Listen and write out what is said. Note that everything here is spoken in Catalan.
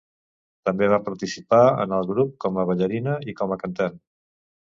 També va participar en el grup com a ballarina i com a cantant.